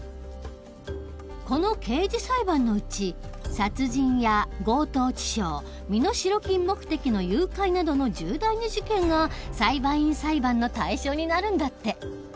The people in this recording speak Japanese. この刑事裁判のうち殺人や強盗致傷身代金目的の誘拐などの重大な事件が裁判員裁判の対象になるんだって。